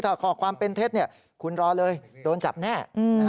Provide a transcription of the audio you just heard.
ถ้าข้อความเป็นเท็จคุณรอเลยโดนจับแน่